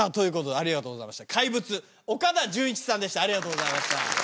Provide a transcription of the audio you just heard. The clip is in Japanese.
ありがとうございます。